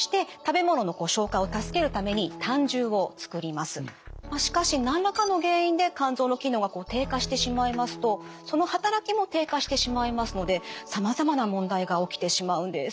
まあしかし何らかの原因で肝臓の機能が低下してしまいますとその働きも低下してしまいますのでさまざまな問題が起きてしまうんです。